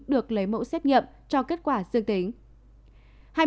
được lấy mẫu xét nghiệm cho kết quả dương tính